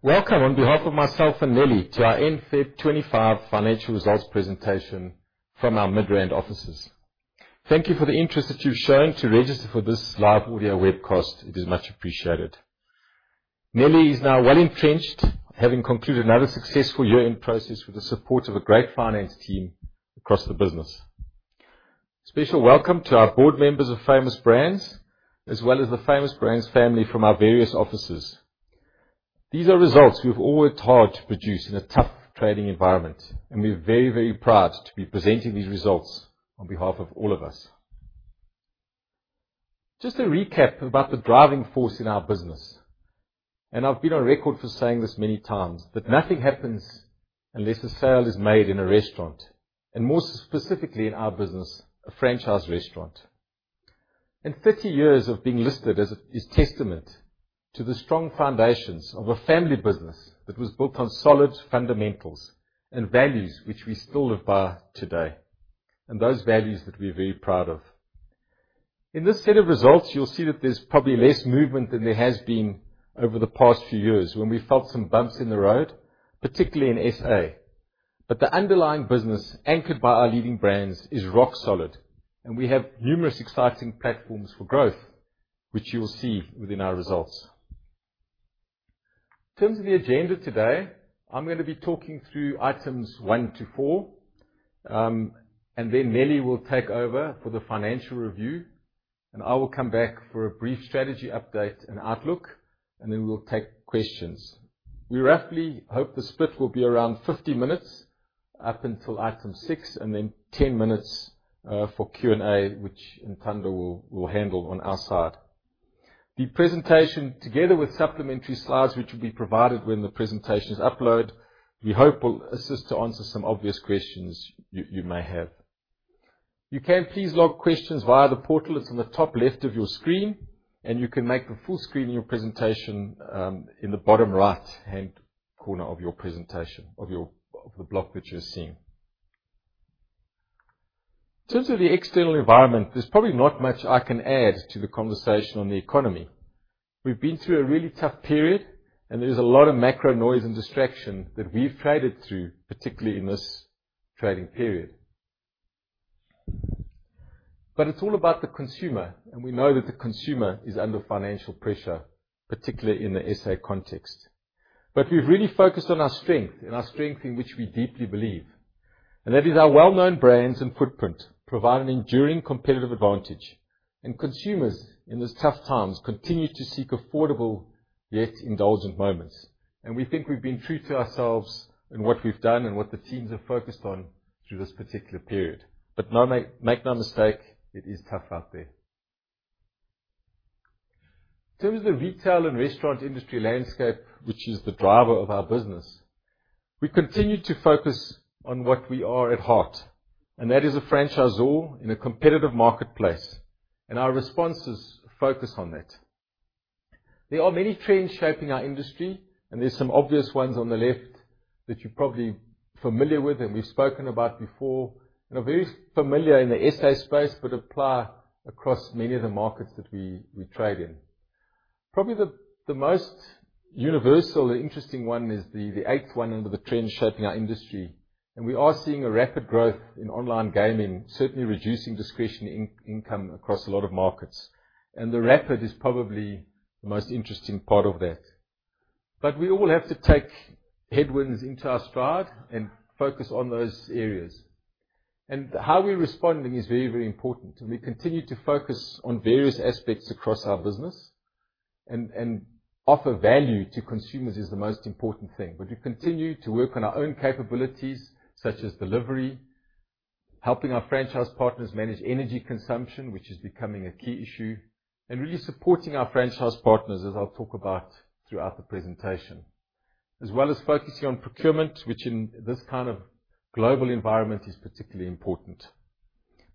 Welcome, on behalf of myself and Neli, to our NFIB 25 Financial Results presentation from our Midrand offices. Thank you for the interest that you've shown to register for this live audio webcast. It is much appreciated. Neli is now well entrenched, having concluded another successful year in process with the support of a great finance team across the business. Special welcome to our board members of Famous Brands, as well as the Famous Brands family from our various offices. These are results we've all worked hard to produce in a tough trading environment, and we're very, very proud to be presenting these results on behalf of all of us. Just a recap about the driving force in our business, and I've been on record for saying this many times, but nothing happens unless a sale is made in a restaurant, and more specifically in our business, a franchise restaurant. In 30 years of being listed, it is testament to the strong foundations of a family business that was built on solid fundamentals and values which we still live by today, and those values that we are very proud of. In this set of results, you'll see that there's probably less movement than there has been over the past few years when we felt some bumps in the road, particularly in SA, but the underlying business anchored by our leading brands is rock solid, and we have numerous exciting platforms for growth, which you'll see within our results. In terms of the agenda today, I'm going to be talking through items one to four, and then Neli will take over for the financial review, and I will come back for a brief strategy update and outlook, and then we'll take questions. We roughly hope the split will be around 50 minutes up until item six, and then 10 minutes for Q&A, which Ntando will handle on our side. The presentation, together with supplementary slides which will be provided when the presentation is uploaded, we hope will assist to answer some obvious questions you may have. You can please log questions via the portal. It's on the top left of your screen, and you can make the full screen of your presentation in the bottom right-hand corner of your presentation, of the block that you're seeing. In terms of the external environment, there's probably not much I can add to the conversation on the economy. We've been through a really tough period, and there's a lot of macro noise and distraction that we've traded through, particularly in this trading period. It is all about the consumer, and we know that the consumer is under financial pressure, particularly in the SA context. We have really focused on our strength, and our strength in which we deeply believe, and that is our well-known brands and footprint provide an enduring competitive advantage, and consumers in these tough times continue to seek affordable yet indulgent moments. We think we have been true to ourselves in what we have done and what the teams have focused on through this particular period. Make no mistake, it is tough out there. In terms of the retail and restaurant industry landscape, which is the driver of our business, we continue to focus on what we are at heart, and that is a franchisor in a competitive marketplace, and our responses focus on that. There are many trends shaping our industry, and there are some obvious ones on the left that you are probably familiar with and we have spoken about before, and are very familiar in the SA space but apply across many of the markets that we trade in. Probably the most universal and interesting one is the eighth one under the trends shaping our industry, and we are seeing a rapid growth in online gaming, certainly reducing discretionary income across a lot of markets, and the rapid is probably the most interesting part of that. We all have to take headwinds into our stride and focus on those areas, and how we are responding is very, very important, and we continue to focus on various aspects across our business, and offer value to consumers is the most important thing. We continue to work on our own capabilities, such as delivery, helping our franchise partners manage energy consumption, which is becoming a key issue, and really supporting our franchise partners, as I'll talk about throughout the presentation, as well as focusing on procurement, which in this kind of global environment is particularly important.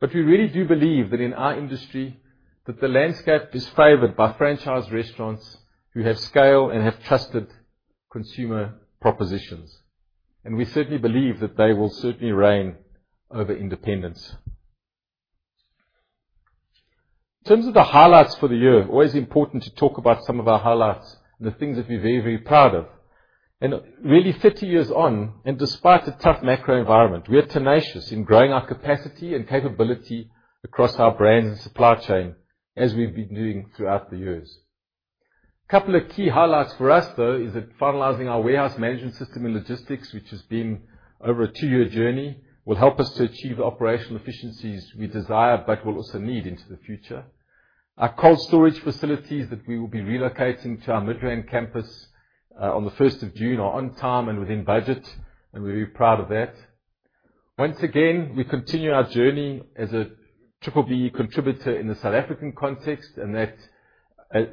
We really do believe that in our industry, the landscape is favored by franchise restaurants who have scale and have trusted consumer propositions, and we certainly believe that they will certainly reign over independents. In terms of the highlights for the year, it's always important to talk about some of our highlights and the things that we're very, very proud of. Really, 30 years on, and despite the tough macro environment, we are tenacious in growing our capacity and capability across our brands and supply chain as we've been doing throughout the years. A couple of key highlights for us, though, is that finalizing our warehouse management system in logistics, which has been over a two-year journey, will help us to achieve the operational efficiencies we desire but will also need into the future. Our cold storage facilities that we will be relocating to our Midrand campus on the 1st of June are on time and within budget, and we're very proud of that. Once again, we continue our journey as a Triple B contributor in the South African context, and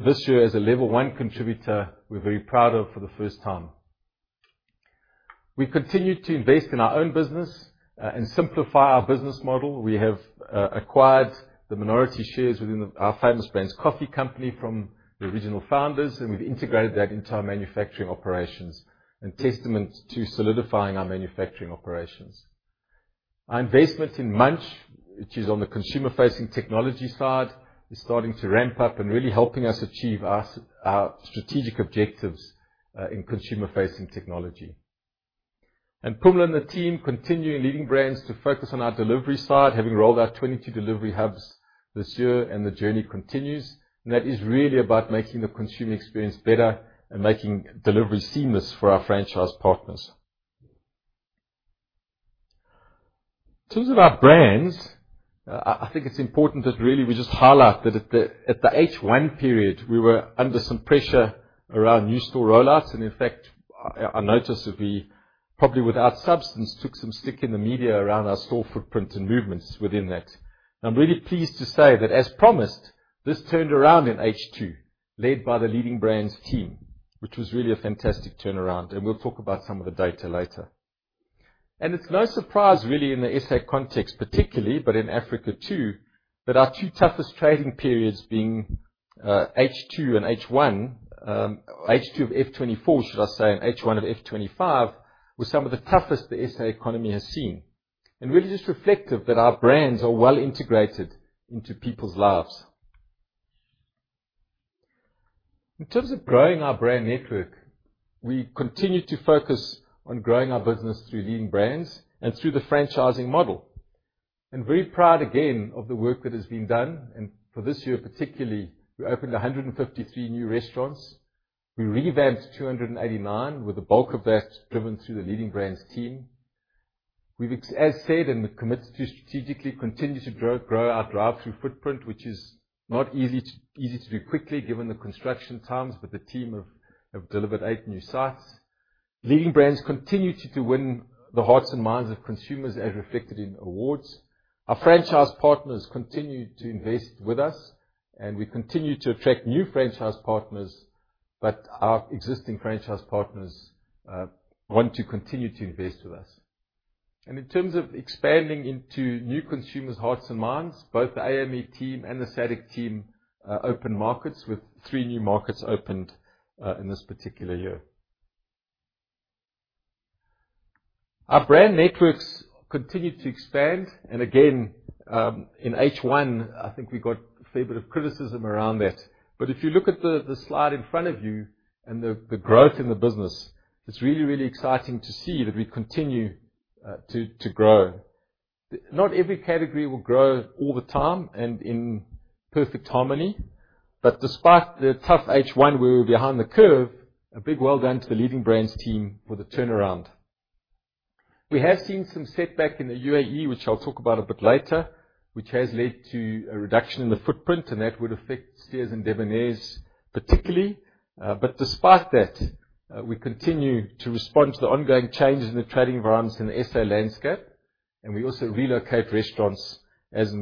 this year, as a level one contributor, we're very proud of for the first time. We continue to invest in our own business and simplify our business model. We have acquired the minority shares within our Famous Brands coffee company from the original founders, and we've integrated that into our manufacturing operations, a testament to solidifying our manufacturing operations. Our investment in Munch, which is on the consumer-facing technology side, is starting to ramp up and really helping us achieve our strategic objectives in consumer-facing technology. Pumla and the team continue in leading brands to focus on our delivery side, having rolled out 22 delivery hubs this year, and the journey continues. That is really about making the consumer experience better and making delivery seamless for our franchise partners. In terms of our brands, I think it's important that really we just highlight that at the H1 period, we were under some pressure around new store rollouts, and in fact, I notice that we probably without substance took some stick in the media around our store footprint and movements within that. I'm really pleased to say that, as promised, this turned around in H2, led by the leading brands team, which was really a fantastic turnaround, and we'll talk about some of the data later. It is no surprise, really, in the SA context particularly, but in Africa too, that our two toughest trading periods being H2 and H1, H2 of 2024, should I say, and H1 of 2025, were some of the toughest the SA economy has seen, and really just reflective that our brands are well integrated into people's lives. In terms of growing our brand network, we continue to focus on growing our business through leading brands and through the franchising model, and very proud again of the work that has been done, and for this year particularly, we opened 153 new restaurants. We revamped 289, with the bulk of that driven through the leading brands team. We've, as said, and we've committed to strategically continue to grow our drive-through footprint, which is not easy to do quickly given the construction times, but the team have delivered eight new sites. Leading brands continue to win the hearts and minds of consumers, as reflected in awards. Our franchise partners continue to invest with us, and we continue to attract new franchise partners, our existing franchise partners want to continue to invest with us. In terms of expanding into new consumers' hearts and minds, both the AME team and the SADC team opened markets, with three new markets opened in this particular year. Our brand networks continue to expand, and again, in H1, I think we got a fair bit of criticism around that, but if you look at the slide in front of you and the growth in the business, it is really, really exciting to see that we continue to grow. Not every category will grow all the time and in perfect harmony, but despite the tough H1, we were behind the curve, a big well done to the leading brands team for the turnaround. We have seen some setback in the UAE, which I'll talk about a bit later, which has led to a reduction in the footprint, and that would affect Steers and Debonairs particularly. Despite that, we continue to respond to the ongoing changes in the trading environments in the SA landscape, and we also relocate restaurants as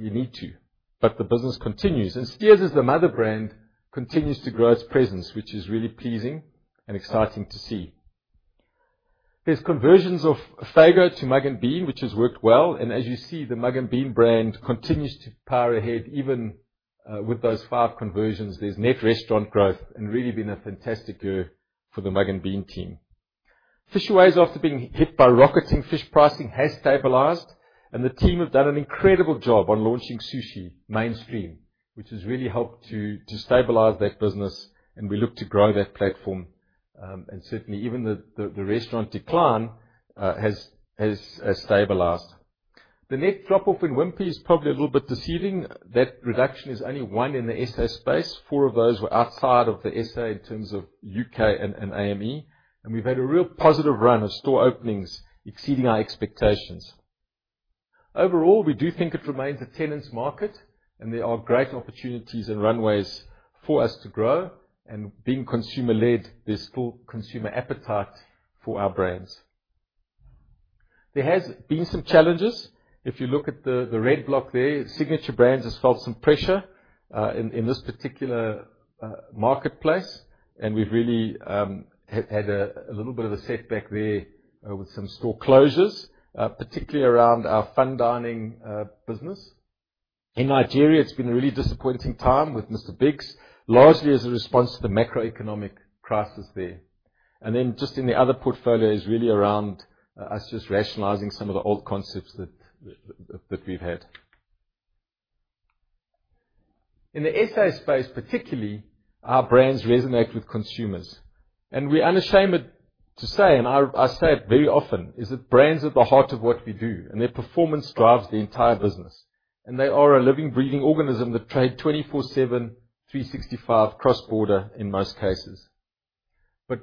we need to, but the business continues, and Steers, as the mother brand, continues to grow its presence, which is really pleasing and exciting to see. There are conversions of Fago to Mugg & Bean, which has worked well, and as you see, the Mugg & Bean brand continues to power ahead even with those five conversions. There is net restaurant growth, and really been a fantastic year for the Mugg & Bean team. Fishaways, after being hit by rocketing fish pricing, has stabilized, and the team have done an incredible job on launching sushi mainstream, which has really helped to stabilize that business, and we look to grow that platform, and certainly even the restaurant decline has stabilized. The net drop-off in Wimpy is probably a little bit deceiving. That reduction is only one in the SA space. Four of those were outside of the SA in terms of U.K. and AME, and we've had a real positive run of store openings exceeding our expectations. Overall, we do think it remains a tenants market, and there are great opportunities and runways for us to grow, and being consumer-led, there's still consumer appetite for our brands. There have been some challenges. If you look at the red block there, Signature Brands has felt some pressure in this particular marketplace, and we've really had a little bit of a setback there with some store closures, particularly around our fun dining business. In Nigeria, it's been a really disappointing time with Mr. Biggs, largely as a response to the macroeconomic crisis there. In the other portfolio, it is really around us just rationalizing some of the old concepts that we've had. In the SA space particularly, our brands resonate with consumers, and we are unashamed to say, and I say it very often, is that brands are at the heart of what we do, and their performance drives the entire business, and they are a living, breathing organism that trades 24/7, 365, cross-border in most cases.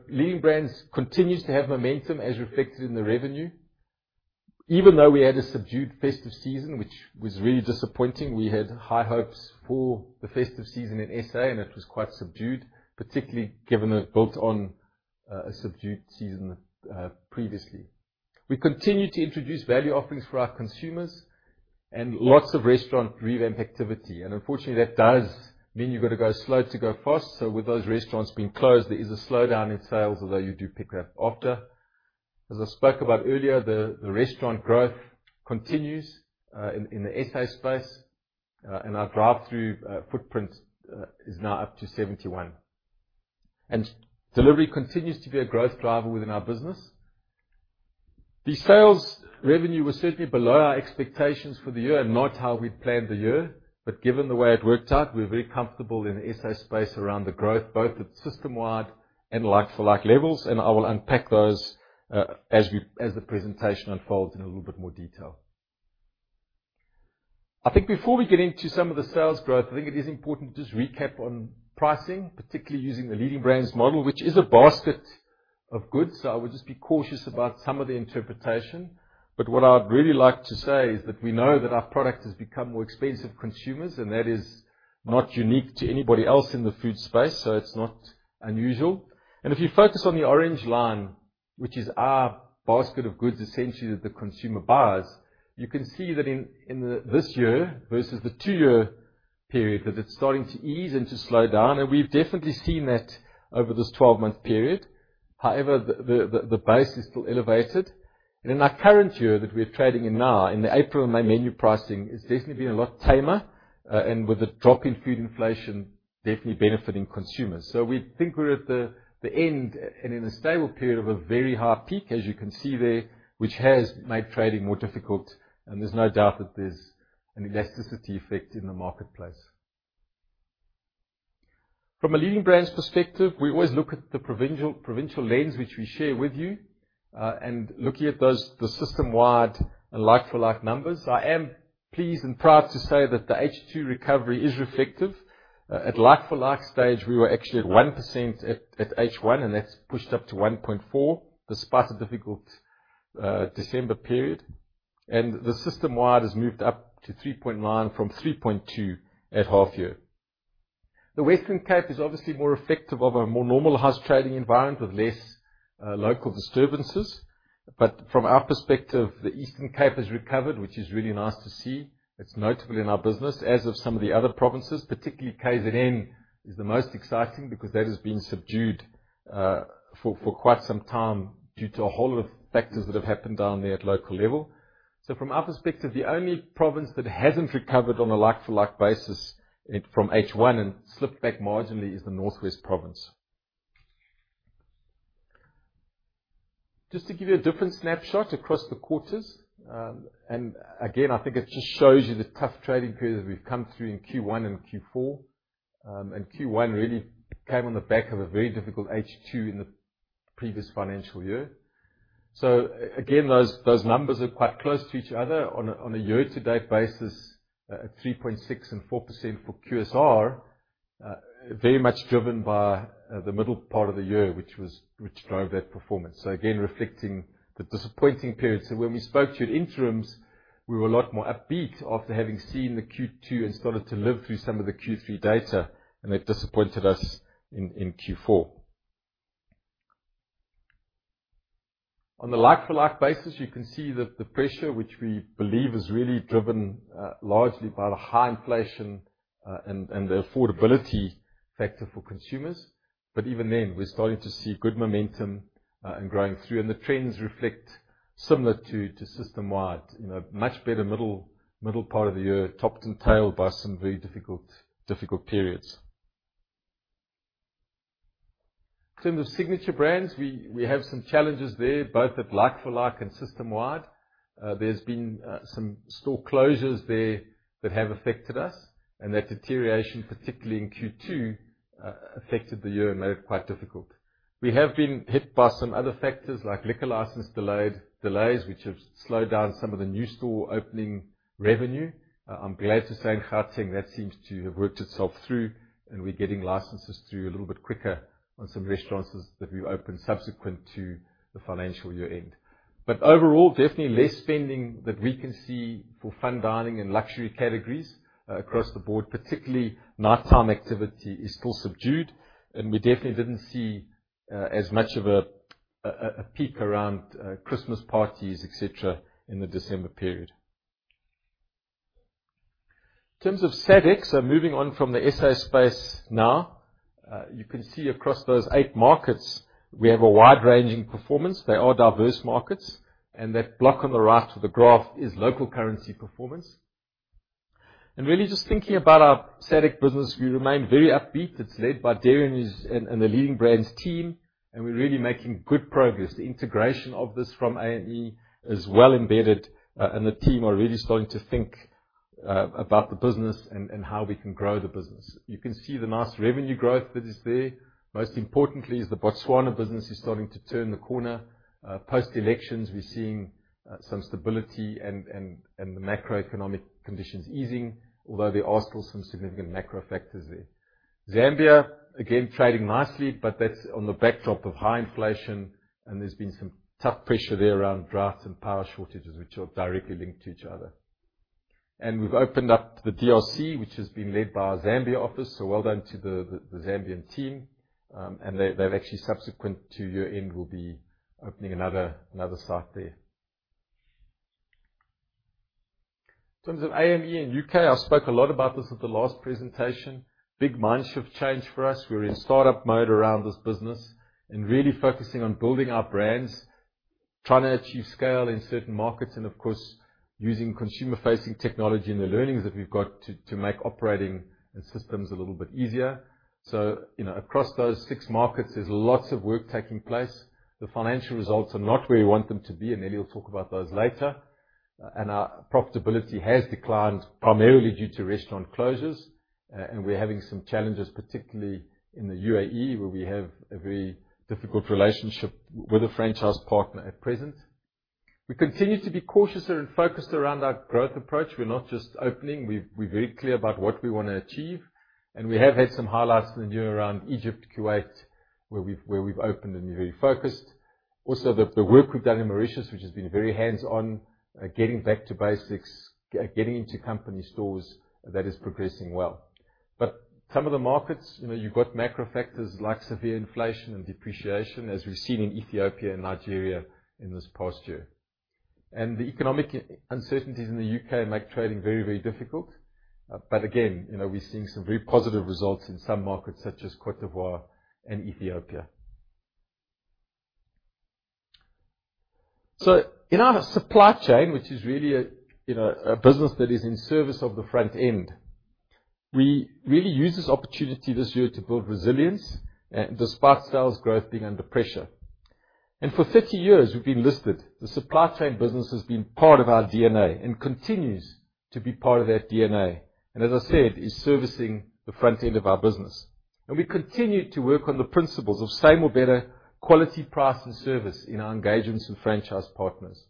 Leading brands continue to have momentum, as reflected in the revenue. Even though we had a subdued festive season, which was really disappointing, we had high hopes for the festive season in SA, and it was quite subdued, particularly given it built on a subdued season previously. We continue to introduce value offerings for our consumers and lots of restaurant revamp activity, and unfortunately, that does mean you've got to go slow to go fast, so with those restaurants being closed, there is a slowdown in sales, although you do pick up after. As I spoke about earlier, the restaurant growth continues in the SA space, and our drive-through footprint is now up to 71, and delivery continues to be a growth driver within our business. The sales revenue was certainly below our expectations for the year, and not how we'd planned the year, but given the way it worked out, we're very comfortable in the SA space around the growth, both at system-wide and like-for-like levels, and I will unpack those as the presentation unfolds in a little bit more detail. I think before we get into some of the sales growth, I think it is important to just recap on pricing, particularly using the leading brands model, which is a basket of goods, so I will just be cautious about some of the interpretation, but what I'd really like to say is that we know that our product has become more expensive for consumers, and that is not unique to anybody else in the food space, so it's not unusual. If you focus on the orange line, which is our basket of goods, essentially that the consumer buys, you can see that in this year versus the two-year period, that it is starting to ease and to slow down, and we have definitely seen that over this 12-month period. However, the base is still elevated, and in our current year that we are trading in now, in the April and May menu pricing, it has definitely been a lot tamer, and with the drop in food inflation, definitely benefiting consumers. We think we are at the end and in a stable period of a very high peak, as you can see there, which has made trading more difficult, and there is no doubt that there is an elasticity effect in the marketplace. From a leading brands perspective, we always look at the provincial lens, which we share with you, and looking at the system-wide and like-for-like numbers, I am pleased and proud to say that the H2 recovery is reflective. At like-for-like stage, we were actually at 1% at H1, and that's pushed up to 1.4% despite a difficult December period, and the system-wide has moved up to 3.9% from 3.2% at half-year. The Western Cape is obviously more reflective of a more normal house trading environment with less local disturbances, but from our perspective, the Eastern Cape has recovered, which is really nice to see. It's notable in our business, as are some of the other provinces, particularly Gauteng is the most exciting because that has been subdued for quite some time due to a whole lot of factors that have happened down there at local level. From our perspective, the only province that has not recovered on a like-for-like basis from H1 and slipped back marginally is the Northwest Province. Just to give you a different snapshot across the quarters, I think it just shows you the tough trading periods we have come through in Q1 and Q4, and Q1 really came on the back of a very difficult H2 in the previous financial year. Those numbers are quite close to each other on a year-to-date basis, at 3.6% and 4% for QSR, very much driven by the middle part of the year, which drove that performance. Again, reflecting the disappointing period. When we spoke to you at interims, we were a lot more upbeat after having seen the Q2 and started to live through some of the Q3 data, and that disappointed us in Q4. On the like-for-like basis, you can see that the pressure, which we believe is really driven largely by the high inflation and the affordability factor for consumers, but even then, we're starting to see good momentum and growing through, and the trends reflect similar to system-wide, much better middle part of the year, topped and tailed by some very difficult periods. In terms of Signature Brands, we have some challenges there, both at like-for-like and system-wide. There have been some store closures there that have affected us, and that deterioration, particularly in Q2, affected the year and made it quite difficult. We have been hit by some other factors like liquor license delays, which have slowed down some of the new store opening revenue. I'm glad to say in Gauteng that seems to have worked itself through, and we're getting licenses through a little bit quicker on some restaurants that we've opened subsequent to the financial year end. Overall, definitely less spending that we can see for fun dining and luxury categories across the board, particularly nighttime activity, is still subdued, and we definitely did not see as much of a peak around Christmas parties, etc., in the December period. In terms of SADC, moving on from the South Africa space now, you can see across those eight markets, we have a wide-ranging performance. They are diverse markets, and that block on the right of the graph is local currency performance. Really just thinking about our SADC business, we remain very upbeat. It is led by Darrian and the leading brands team, and we're really making good progress. The integration of this from AME is well embedded, and the team are really starting to think about the business and how we can grow the business. You can see the nice revenue growth that is there. Most importantly, the Botswana business is starting to turn the corner. Post-elections, we're seeing some stability and the macroeconomic conditions easing, although there are still some significant macro factors there. Zambia, again, trading nicely, but that's on the backdrop of high inflation, and there's been some tough pressure there around drafts and power shortages, which are directly linked to each other. We have opened up the DRC, which has been led by our Zambia office, so well done to the Zambian team, and they actually, subsequent to year-end, will be opening another site there. In terms of AME and U.K., I spoke a lot about this at the last presentation. Big mind shift change for us. We're in startup mode around this business and really focusing on building our brands, trying to achieve scale in certain markets, and of course, using consumer-facing technology and the learnings that we've got to make operating systems a little bit easier. Across those six markets, there's lots of work taking place. The financial results are not where we want them to be, and Neli will talk about those later. Our profitability has declined primarily due to restaurant closures, and we're having some challenges, particularly in the UAE, where we have a very difficult relationship with a franchise partner at present. We continue to be cautious and focused around our growth approach. We're not just opening. We're very clear about what we want to achieve, and we have had some highlights in the year around Egypt, Kuwait, where we've opened and we're very focused. Also, the work we've done in Mauritius, which has been very hands-on, getting back to basics, getting into company stores, that is progressing well. Some of the markets, you've got macro factors like severe inflation and depreciation, as we've seen in Ethiopia and Nigeria in this past year. The economic uncertainties in the U.K. make trading very, very difficult, but again, we're seeing some very positive results in some markets such as Côte d'Ivoire and Ethiopia. In our supply chain, which is really a business that is in service of the front end, we really use this opportunity this year to build resilience despite sales growth being under pressure. For 30 years, we've been listed. The supply chain business has been part of our DNA and continues to be part of that DNA, as I said, is servicing the front end of our business. We continue to work on the principles of same or better quality, price, and service in our engagements with franchise partners.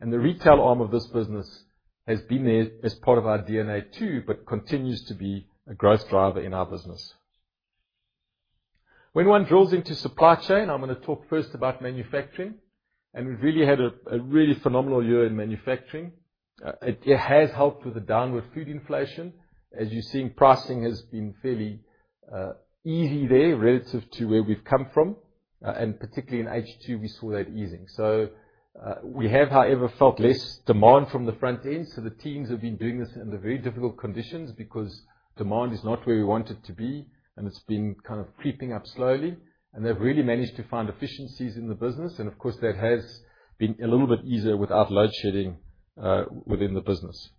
The retail arm of this business has been there as part of our DNA too, but continues to be a growth driver in our business. When one drills into supply chain, I'm going to talk first about manufacturing, and we've really had a really phenomenal year in manufacturing. It has helped with the downward food inflation, as you're seeing pricing has been fairly easy there relative to where we've come from, and particularly in H2, we saw that easing. We have, however, felt less demand from the front end, so the teams have been doing this under very difficult conditions because demand is not where we want it to be, and it has been kind of creeping up slowly, and they have really managed to find efficiencies in the business, and of course, that has been a little bit easier without load-shedding within the business.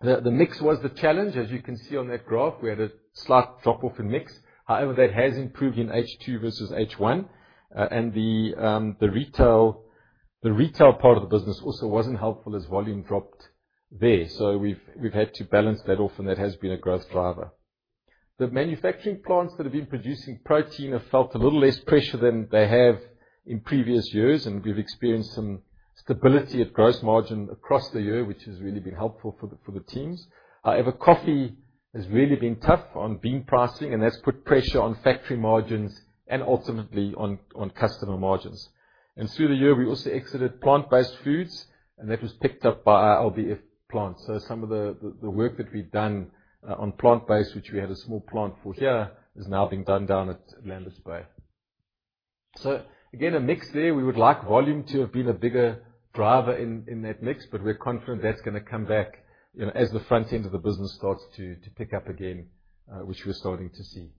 The mix was the challenge, as you can see on that graph. We had a slight drop-off in mix. However, that has improved in H2 versus H1, and the retail part of the business also was not helpful as volume dropped there, so we have had to balance that off, and that has been a growth driver. The manufacturing plants that have been producing protein have felt a little less pressure than they have in previous years, and we've experienced some stability at gross margin across the year, which has really been helpful for the teams. However, coffee has really been tough on bean pricing, and that's put pressure on factory margins and ultimately on customer margins. Through the year, we also exited plant-based foods, and that was picked up by our LBF plant. Some of the work that we've done on plant-based, which we had a small plant for here, is now being done down at Landers Bay. Again, a mix there. We would like volume to have been a bigger driver in that mix, but we're confident that's going to come back as the front end of the business starts to pick up again, which we're starting to see.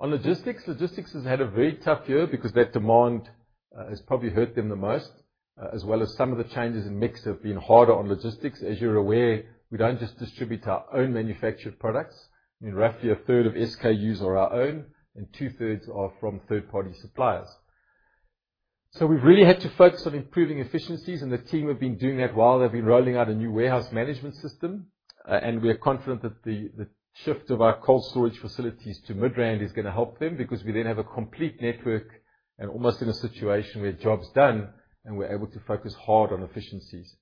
On logistics, logistics has had a very tough year because that demand has probably hurt them the most, as well as some of the changes in mix have been harder on logistics. As you're aware, we don't just distribute our own manufactured products. I mean, roughly a third of SKUs are our own, and two-thirds are from third-party suppliers. So we've really had to focus on improving efficiencies, and the team have been doing that well. They've been rolling out a new warehouse management system, and we're confident that the shift of our cold storage facilities to Midrand is going to help them because we then have a complete network and almost in a situation where job's done, and we're able to focus hard on efficiencies.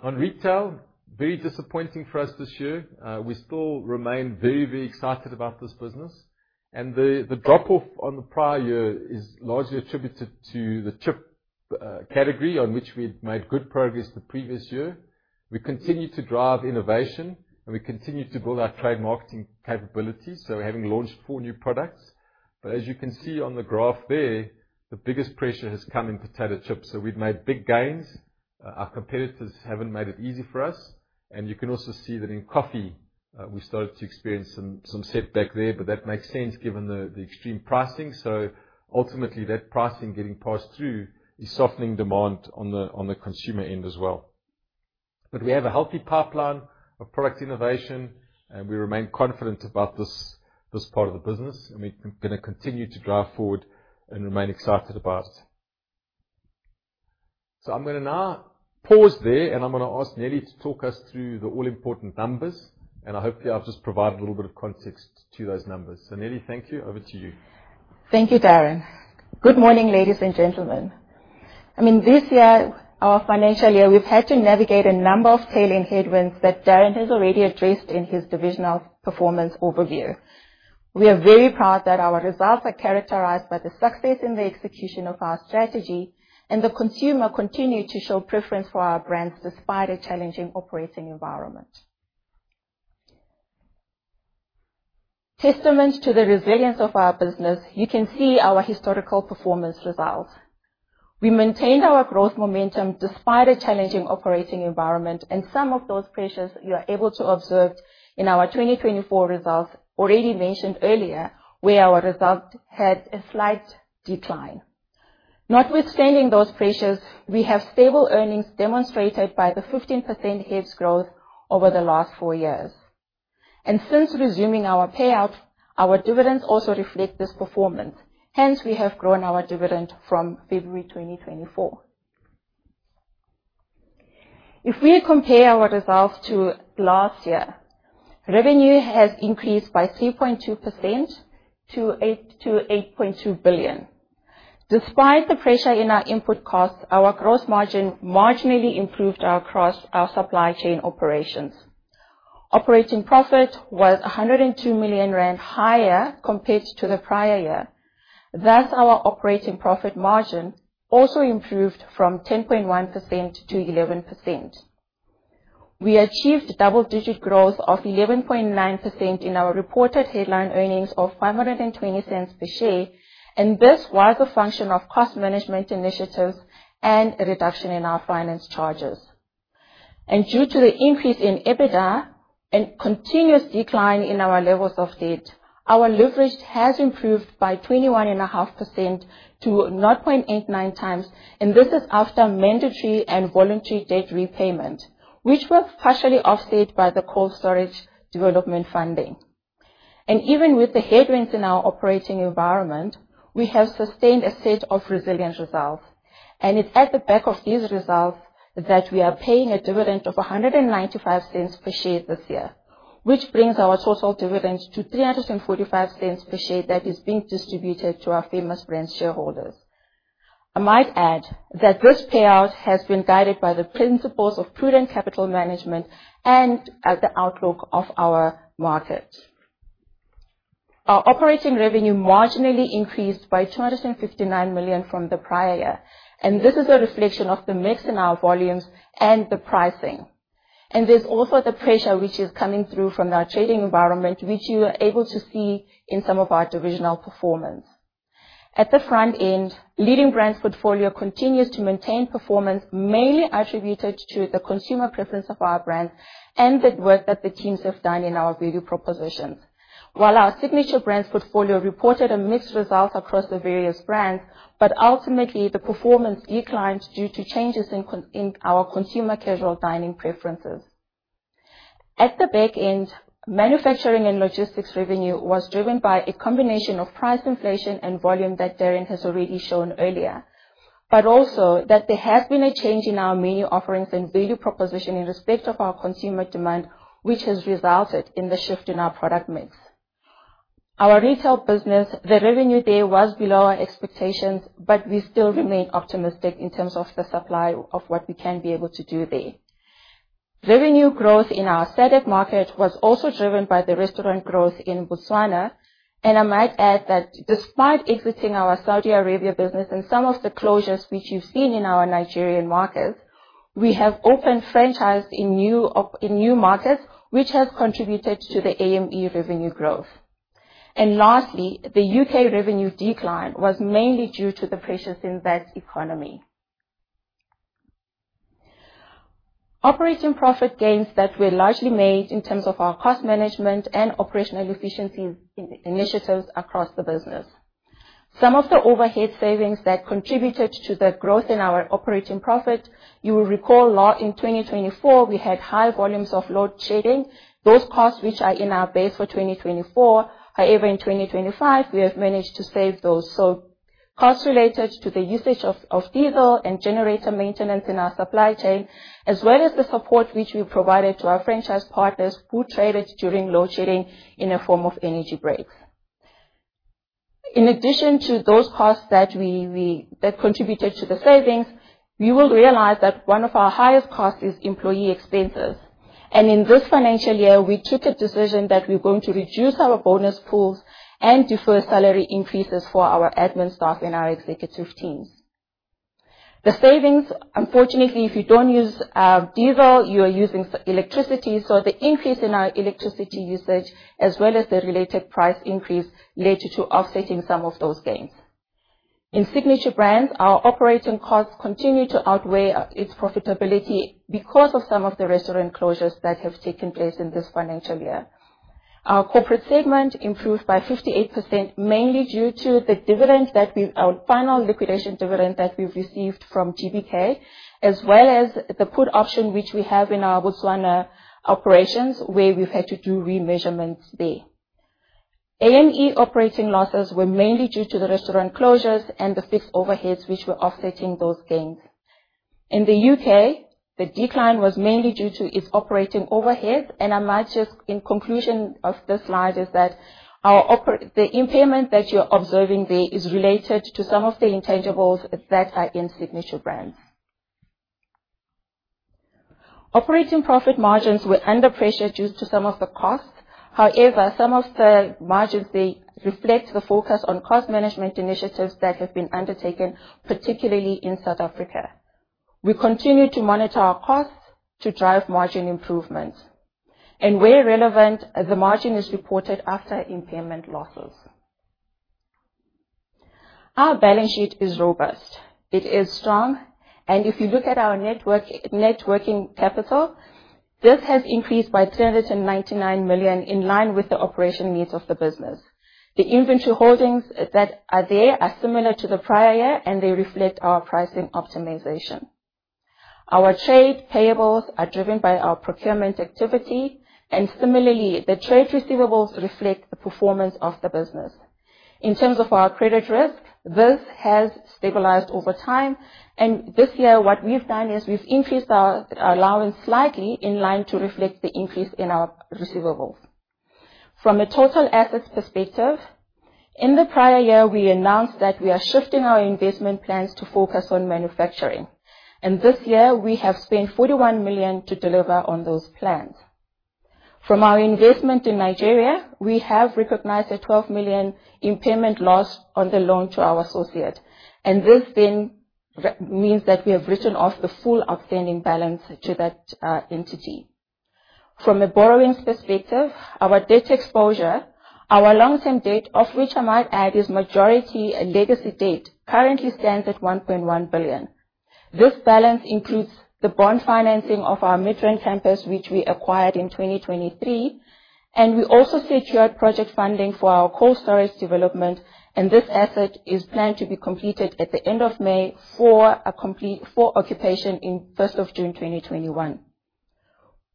On retail, very disappointing for us this year. We still remain very, very excited about this business, and the drop-off on the prior year is largely attributed to the chip category on which we had made good progress the previous year. We continue to drive innovation, and we continue to build our trade marketing capabilities, so we're having launched four new products. As you can see on the graph there, the biggest pressure has come in potato chips, so we've made big gains. Our competitors haven't made it easy for us, and you can also see that in coffee, we started to experience some setback there, but that makes sense given the extreme pricing. Ultimately, that pricing getting passed through is softening demand on the consumer end as well. We have a healthy pipeline of product innovation, and we remain confident about this part of the business, and we're going to continue to drive forward and remain excited about it. I'm going to now pause there, and I'm going to ask Neli to talk us through the all-important numbers, and I hope you'll just provide a little bit of context to those numbers. Neli, thank you. Over to you. Thank you, Darren. Good morning, ladies and gentlemen. I mean, this year, our financial year, we've had to navigate a number of tailing headwinds that Darren has already addressed in his divisional performance overview. We are very proud that our results are characterized by the success in the execution of our strategy, and the consumer continued to show preference for our brands despite a challenging operating environment. Testament to the resilience of our business, you can see our historical performance results. We maintained our growth momentum despite a challenging operating environment, and some of those pressures you are able to observe in our 2024 results already mentioned earlier where our result had a slight decline. Notwithstanding those pressures, we have stable earnings demonstrated by the 15% HEPS growth over the last four years. Since resuming our payout, our dividends also reflect this performance. Hence, we have grown our dividend from February 2024. If we compare our results to last year, revenue has increased by 3.2% to 8.2 billion. Despite the pressure in our input costs, our gross margin marginally improved across our supply chain operations. Operating profit was 102 million rand higher compared to the prior year. Thus, our operating profit margin also improved from 10.1% to 11%. We achieved double-digit growth of 11.9% in our reported headline earnings of 5.20 per share, and this was a function of cost management initiatives and a reduction in our finance charges. Due to the increase in EBITDA and continuous decline in our levels of debt, our leverage has improved by 21.5% to 0.89 times, and this is after mandatory and voluntary debt repayment, which were partially offset by the cold storage development funding. Even with the headwinds in our operating environment, we have sustained a set of resilient results, and it is at the back of these results that we are paying a dividend of 1.95 per share this year, which brings our total dividend to 3.45 per share that is being distributed to our Famous Brands shareholders. I might add that this payout has been guided by the principles of prudent capital management and the outlook of our market. Our operating revenue marginally increased by 259 million from the prior year, and this is a reflection of the mix in our volumes and the pricing. There is also the pressure which is coming through from our trading environment, which you are able to see in some of our divisional performance. At the front end, leading brands portfolio continues to maintain performance mainly attributed to the consumer preference of our brands and the work that the teams have done in our value propositions. While our signature brands portfolio reported a mixed result across the various brands, ultimately, the performance declined due to changes in our consumer casual dining preferences. At the back end, manufacturing and logistics revenue was driven by a combination of price inflation and volume that Darren has already shown earlier, but also that there has been a change in our menu offerings and value proposition in respect of our consumer demand, which has resulted in the shift in our product mix. Our retail business, the revenue there was below our expectations, but we still remain optimistic in terms of the supply of what we can be able to do there. Revenue growth in our SADC market was also driven by the restaurant growth in Botswana, and I might add that despite exiting our Saudi Arabia business and some of the closures which you've seen in our Nigerian markets, we have opened franchise in new markets, which has contributed to the AME revenue growth. Lastly, the U.K. revenue decline was mainly due to the pressures in that economy. Operating profit gains that were largely made in terms of our cost management and operational efficiency initiatives across the business. Some of the overhead savings that contributed to the growth in our operating profit, you will recall in 2024, we had high volumes of load-shedding, those costs which are in our base for 2024. However, in 2025, we have managed to save those. Costs related to the usage of diesel and generator maintenance in our supply chain, as well as the support which we provided to our franchise partners who traded during load-shedding in the form of energy breaks. In addition to those costs that contributed to the savings, you will realize that one of our highest costs is employee expenses. In this financial year, we took a decision that we're going to reduce our bonus pools and defer salary increases for our admin staff and our executive teams. The savings, unfortunately, if you do not use diesel, you are using electricity. The increase in our electricity usage, as well as the related price increase, led to offsetting some of those gains. In signature brands, our operating costs continue to outweigh its profitability because of some of the restaurant closures that have taken place in this financial year. Our corporate segment improved by 58%, mainly due to the dividend that we've, final liquidation dividend that we've received from TBK, as well as the put option which we have in our Botswana operations where we've had to do remeasurements there. AME operating losses were mainly due to the restaurant closures and the fixed overheads which were offsetting those gains. In the U.K., the decline was mainly due to its operating overheads, and I might just in conclusion of this slide is that the impediment that you're observing there is related to some of the intangibles that are in signature brands. Operating profit margins were under pressure due to some of the costs. However, some of the margins there reflect the focus on cost management initiatives that have been undertaken, particularly in South Africa. We continue to monitor our costs to drive margin improvements. Where relevant, the margin is reported after impairment losses. Our balance sheet is robust. It is strong, and if you look at our net working capital, this has increased by 399 million in line with the operation needs of the business. The inventory holdings that are there are similar to the prior year, and they reflect our pricing optimization. Our trade payables are driven by our procurement activity, and similarly, the trade receivables reflect the performance of the business. In terms of our credit risk, this has stabilized over time, and this year, what we have done is we have increased our allowance slightly in line to reflect the increase in our receivables. From a total assets perspective, in the prior year, we announced that we are shifting our investment plans to focus on manufacturing. This year, we have spent ZAR 41 million to deliver on those plans. From our investment in Nigeria, we have recognized a 12 million impairment loss on the loan to our associate, and this then means that we have written off the full outstanding balance to that entity. From a borrowing perspective, our debt exposure, our long-term debt, of which I might add is majority legacy debt, currently stands at 1.1 billion. This balance includes the bond financing of our Midrand campus, which we acquired in 2023, and we also secured project funding for our cold storage development, and this asset is planned to be completed at the end of May for occupation in 1st of June 2021.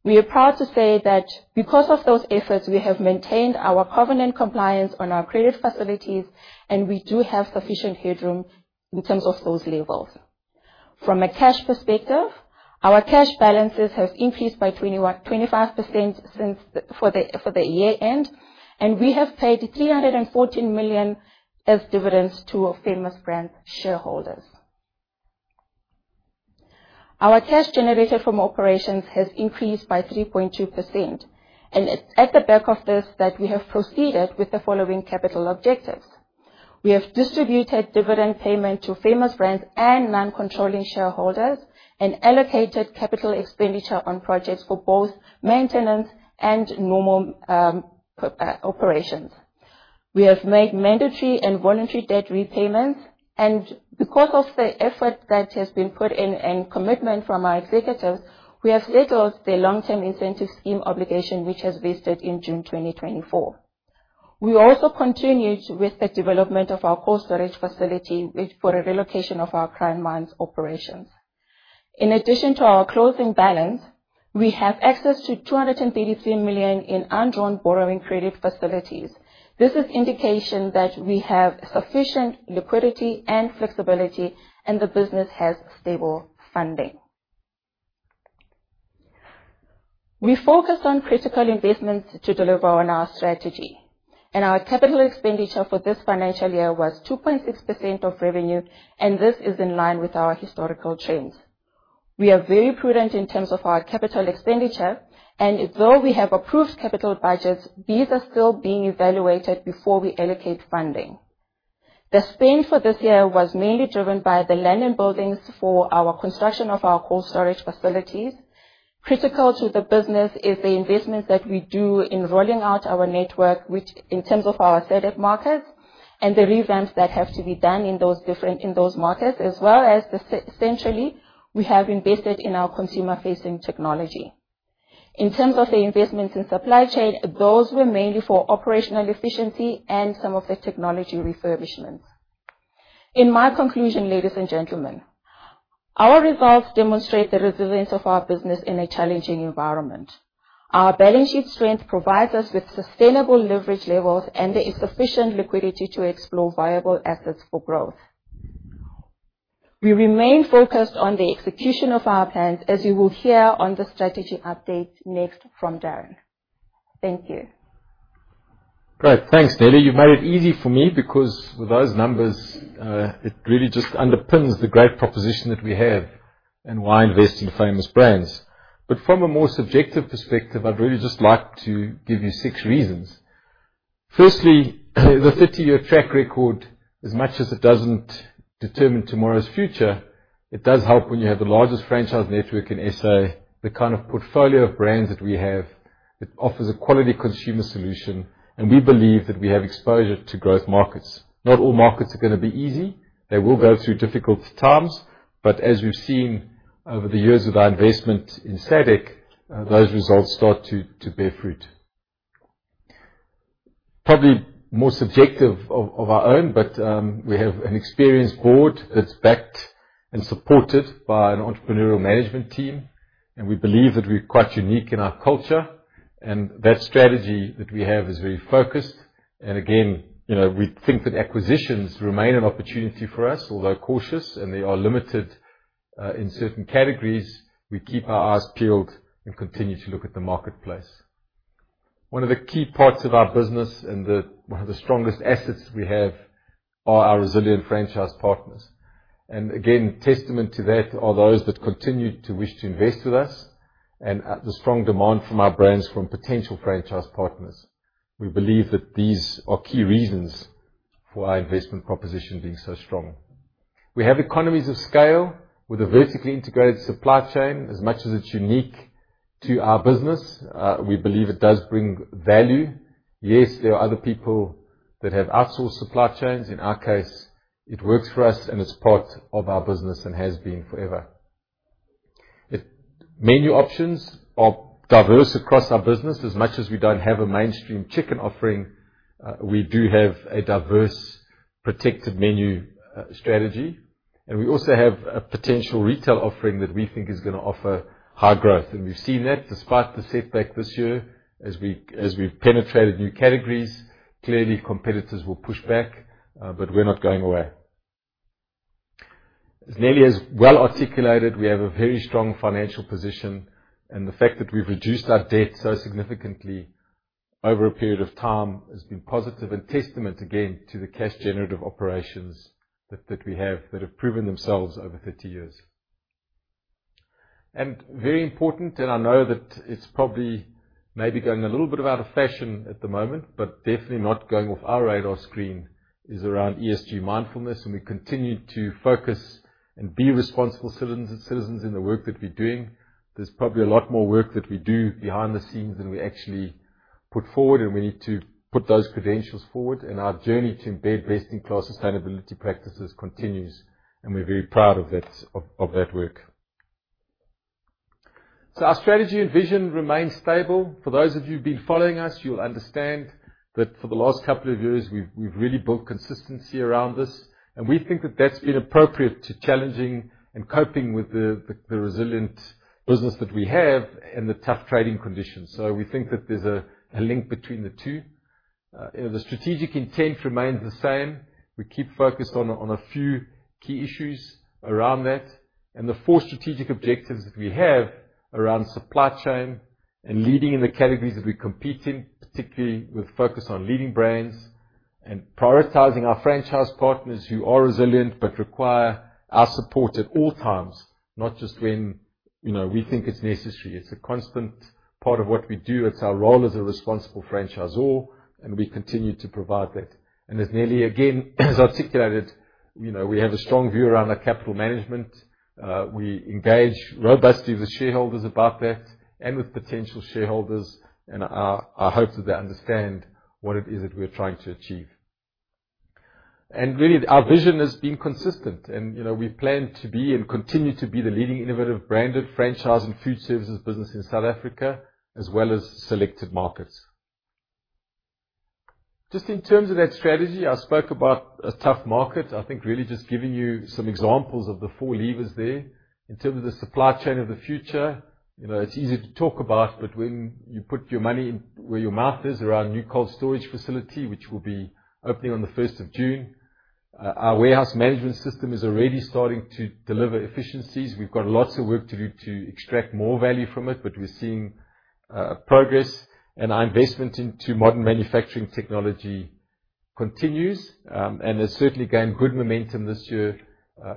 We are proud to say that because of those efforts, we have maintained our covenant compliance on our credit facilities, and we do have sufficient headroom in terms of those levels. From a cash perspective, our cash balances have increased by 25% for the year end, and we have paid 314 million as dividends to Famous Brands shareholders. Our cash generated from operations has increased by 3.2%, and it's at the back of this that we have proceeded with the following capital objectives. We have distributed dividend payment to Famous Brands and non-controlling shareholders and allocated capital expenditure on projects for both maintenance and normal operations. We have made mandatory and voluntary debt repayments, and because of the effort that has been put in and commitment from our executives, we have settled the long-term incentive scheme obligation which has vested in June 2024. We also continued with the development of our cold storage facility for the relocation of our client mines operations. In addition to our closing balance, we have access to 233 million in unjoint borrowing credit facilities. This is an indication that we have sufficient liquidity and flexibility, and the business has stable funding. We focused on critical investments to deliver on our strategy, and our capital expenditure for this financial year was 2.6% of revenue, and this is in line with our historical trends. We are very prudent in terms of our capital expenditure, and though we have approved capital budgets, these are still being evaluated before we allocate funding. The spend for this year was mainly driven by the land and buildings for our construction of our cold storage facilities. Critical to the business is the investments that we do in rolling out our network in terms of our SADC markets and the revamps that have to be done in those markets, as well as essentially we have invested in our consumer-facing technology. In terms of the investments in supply chain, those were mainly for operational efficiency and some of the technology refurbishments. In my conclusion, ladies and gentlemen, our results demonstrate the resilience of our business in a challenging environment. Our balance sheet strength provides us with sustainable leverage levels and sufficient liquidity to explore viable assets for growth. We remain focused on the execution of our plans, as you will hear on the strategy update next from Darren. Thank you. Great. Thanks, Neli. You've made it easy for me because with those numbers, it really just underpins the great proposition that we have and why invest in Famous Brands. From a more subjective perspective, I'd really just like to give you six reasons. Firstly, the 30-year track record, as much as it doesn't determine tomorrow's future, it does help when you have the largest franchise network in SA, the kind of portfolio of brands that we have that offers a quality consumer solution, and we believe that we have exposure to growth markets. Not all markets are going to be easy. They will go through difficult times, but as we've seen over the years with our investment in SADC, those results start to bear fruit. Probably more subjective of our own, but we have an experienced board that's backed and supported by an entrepreneurial management team, and we believe that we're quite unique in our culture, and that strategy that we have is very focused. We think that acquisitions remain an opportunity for us, although cautious, and they are limited in certain categories. We keep our eyes peeled and continue to look at the marketplace. One of the key parts of our business and one of the strongest assets we have are our resilient franchise partners. Again, testament to that are those that continue to wish to invest with us and the strong demand from our brands from potential franchise partners. We believe that these are key reasons for our investment proposition being so strong. We have economies of scale with a vertically integrated supply chain. As much as it is unique to our business, we believe it does bring value. Yes, there are other people that have outsourced supply chains. In our case, it works for us, and it is part of our business and has been forever. Menu options are diverse across our business. As much as we do not have a mainstream chicken offering, we do have a diverse protected menu strategy, and we also have a potential retail offering that we think is going to offer high growth. We have seen that despite the setback this year as we have penetrated new categories. Clearly, competitors will push back, but we are not going away. As Neli has well articulated, we have a very strong financial position, and the fact that we have reduced our debt so significantly over a period of time has been positive and testament, again, to the cash generative operations that we have that have proven themselves over 30 years. Very important, and I know that it's probably maybe going a little bit out of fashion at the moment, but definitely not going off our radar screen, is around ESG mindfulness, and we continue to focus and be responsible citizens in the work that we're doing. There's probably a lot more work that we do behind the scenes than we actually put forward, and we need to put those credentials forward, and our journey to embed best-in-class sustainability practices continues, and we're very proud of that work. Our strategy and vision remain stable. For those of you who've been following us, you'll understand that for the last couple of years, we've really built consistency around this, and we think that that's been appropriate to challenging and coping with the resilient business that we have and the tough trading conditions. We think that there's a link between the two. The strategic intent remains the same. We keep focused on a few key issues around that, and the four strategic objectives that we have around supply chain and leading in the categories that we compete in, particularly with focus on leading brands and prioritizing our franchise partners who are resilient but require our support at all times, not just when we think it's necessary. It's a constant part of what we do. It's our role as a responsible franchisor, and we continue to provide that. As Neli again has articulated, we have a strong view around our capital management. We engage robustly with shareholders about that and with potential shareholders, and I hope that they understand what it is that we're trying to achieve. Our vision has been consistent, and we plan to be and continue to be the leading innovative branded franchise and food services business in South Africa, as well as selected markets. Just in terms of that strategy, I spoke about a tough market. I think really just giving you some examples of the four levers there. In terms of the supply chain of the future, it is easy to talk about, but when you put your money where your mouth is around new cold storage facility, which will be opening on the 1st of June, our warehouse management system is already starting to deliver efficiencies. We've got lots of work to do to extract more value from it, but we're seeing progress, and our investment into modern manufacturing technology continues, and has certainly gained good momentum this year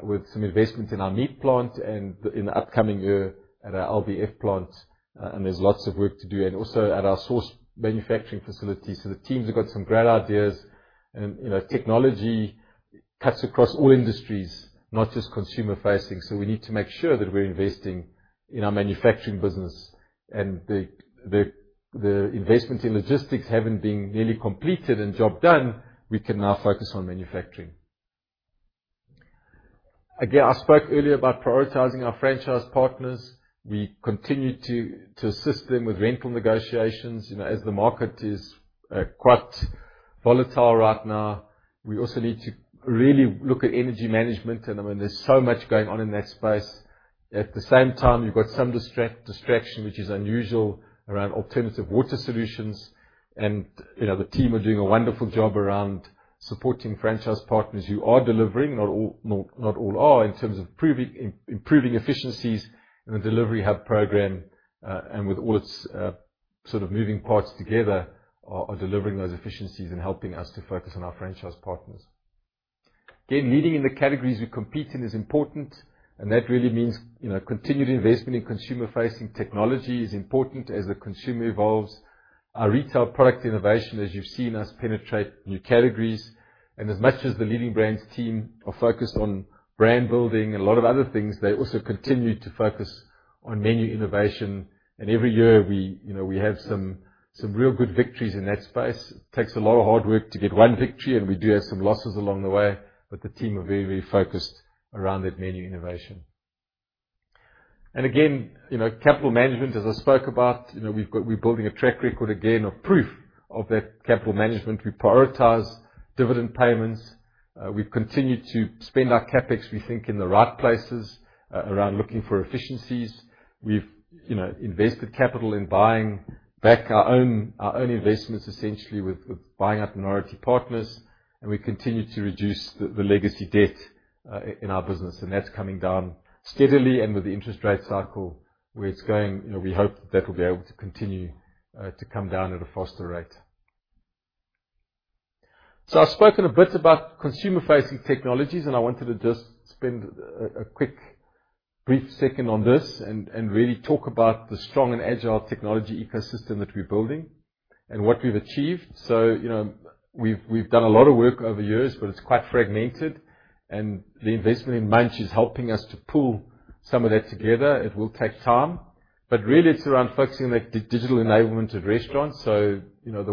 with some investment in our meat plant and in the upcoming year at our LBF plant, and there's lots of work to do. Also at our sauce manufacturing facilities, the teams have got some great ideas, and technology cuts across all industries, not just consumer-facing, so we need to make sure that we're investing in our manufacturing business. The investment in logistics having been nearly completed and job done, we can now focus on manufacturing. Again, I spoke earlier about prioritizing our franchise partners. We continue to assist them with rental negotiations. As the market is quite volatile right now, we also need to really look at energy management, and I mean, there's so much going on in that space. At the same time, you've got some distraction, which is unusual, around alternative water solutions, and the team are doing a wonderful job around supporting franchise partners who are delivering, not all are, in terms of improving efficiencies in the delivery hub program, and with all its sort of moving parts together, are delivering those efficiencies and helping us to focus on our franchise partners. Again, leading in the categories we compete in is important, and that really means continued investment in consumer-facing technology is important as the consumer evolves. Our retail product innovation, as you've seen, has penetrated new categories, and as much as the leading brands' team are focused on brand building and a lot of other things, they also continue to focus on menu innovation. Every year we have some real good victories in that space. It takes a lot of hard work to get one victory, and we do have some losses along the way, but the team are very, very focused around that menu innovation. Again, capital management, as I spoke about, we're building a track record again of proof of that capital management. We prioritize dividend payments. We've continued to spend our CapEx, we think, in the right places around looking for efficiencies.we invested capital in buying back our own investments, essentially with buying up minority partners, and we continue to reduce the legacy debt in our business, and that is coming down steadily. With the interest rate cycle where it is going, we hope that will be able to continue to come down at a faster rate. I have spoken a bit about consumer-facing technologies, and I wanted to just spend a quick brief second on this and really talk about the strong and agile technology ecosystem that we are building and what we have achieved. We have done a lot of work over years, but it is quite fragmented, and the investment in Munch is helping us to pull some of that together. It will take time, but really it is around focusing on that digital enablement of restaurants. The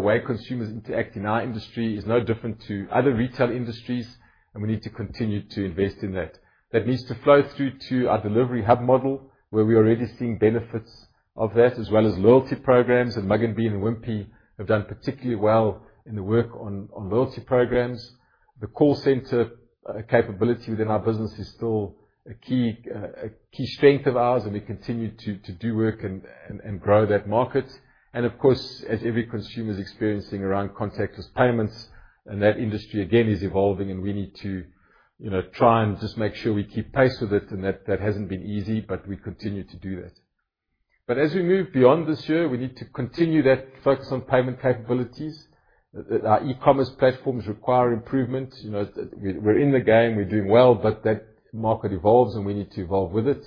way consumers interact in our industry is no different to other retail industries, and we need to continue to invest in that. That needs to flow through to our delivery hub model, where we're already seeing benefits of that, as well as loyalty programs, and Mugg & Bean and Wimpy have done particularly well in the work on loyalty programs. The call center capability within our business is still a key strength of ours, and we continue to do work and grow that market. Of course, as every consumer is experiencing around contactless payments, that industry again is evolving, and we need to try and just make sure we keep pace with it, and that has not been easy, but we continue to do that. As we move beyond this year, we need to continue that focus on payment capabilities. Our e-commerce platforms require improvement. We're in the game. We're doing well, but that market evolves, and we need to evolve with it.